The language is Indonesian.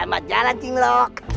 selamat jalan jengkok